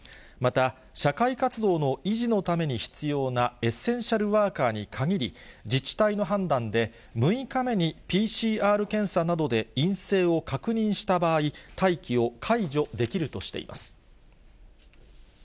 また、社会活動の維持のために必要なエッセンシャルワーカーに限り、自治体の判断で、６日目にＰＣＲ検査などで陰性を確認した場合、待機を解除できるとしています。